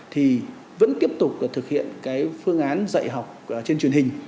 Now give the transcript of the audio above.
thì vẫn tiếp tục thực hiện cái phương án dạy học trên truyền hình